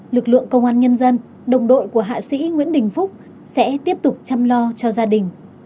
lực lượng công an nhân dân đồng đội của hạ sĩ nguyễn đình phúc sẽ tiếp tục chăm lo cho gia đình